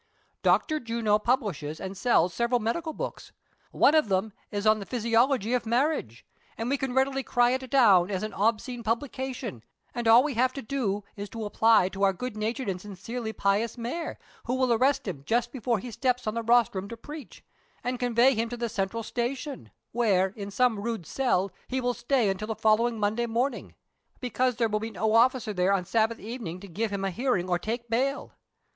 " Dr. Juno publishes and sells several medical books ; one of them is on the ' Physiology of Marriage, ' and we can readily cry it down as an ' Obscene ' publication, and all we have to do is to apply to our good natured and sincerely pious mayor, who will arrest him just before he steps on the rostrum to preach, and convey him to the Central Station, wdiere, in some rude cell, he will stay until the following ^Monday morning ; because there will be no officer there on Sabbath evening to give him a hearing or take bail.